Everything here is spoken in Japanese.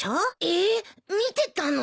えーっ見てたの？